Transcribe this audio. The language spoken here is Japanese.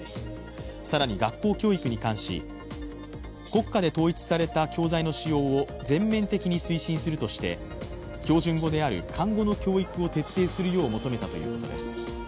更に、学校教育に関し、国家で統一された教材の使用を全面的に推進するとして標準語である漢語の教育を徹底するよう求めたということです。